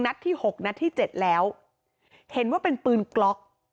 นัดที่๖นัดที่๗แล้วเห็นว่าเป็นปืนกล๊อก